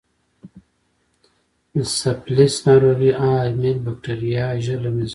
د سفلیس ناروغۍ عامل بکټریا ژر له منځه ځي.